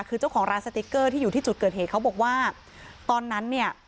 คือเจ้าของร้านสติ๊กเกอร์ที่อยู่ที่จุดเกิดเหตุเขาบอกว่าตอนนั้นเนี่ย